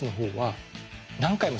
何回も。